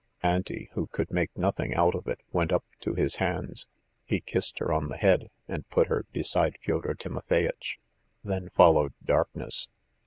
Auntie, who could make nothing out of it, went up to his hands, he kissed her on the head, and put her beside Fyodor Timofeyitch. Then followed darkness.